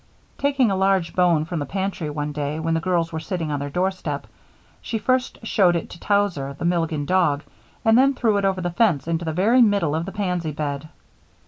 Taking a large bone from the pantry one day, when the girls were sitting on their doorstep, she first showed it to Towser, the Milligan dog, and then threw it over the fence into the very middle of the pansy bed.